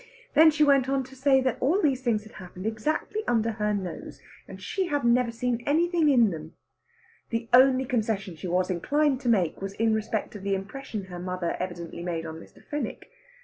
Then she went on to say that all these things had happened exactly under her nose, and she had never seen anything in them. The only concession she was inclined to make was in respect of the impression her mother evidently made on Mr. Fenwick.